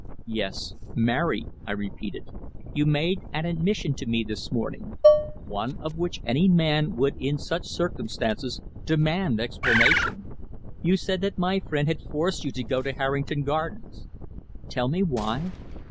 "Yes, marry," I repeated. "You made an admission to me this morning one of which any man would in such circumstances demand explanation. You said that my friend had forced you to go to Harrington Gardens. Tell me why?